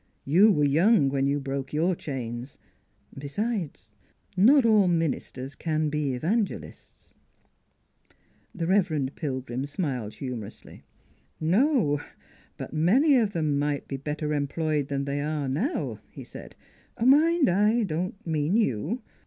You were young when you broke your chains. Besides, not all ministers can be evangelists." The Rev. Pilgrim smiled humorously. "No; but many of them might be better em ployed than they are now," he said. " Mind, I don't mean you.